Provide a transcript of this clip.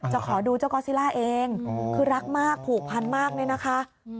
ขอดูเจ้ากอซิล่าเองคือรักมากผูกพันมากเลยนะคะ